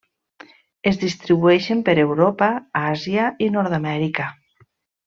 Es distribueixen per Europa, Àsia i Nord-amèrica.